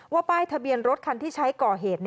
ป้ายทะเบียนรถคันที่ใช้ก่อเหตุ